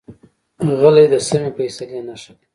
غلی، د سمې فیصلې نښه ده.